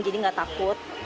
jadi gak takut